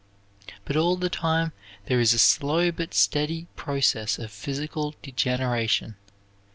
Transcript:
But all the time there is a slow but steady process of physical degeneration.